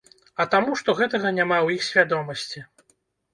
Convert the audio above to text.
А таму, што гэтага няма ў іх свядомасці.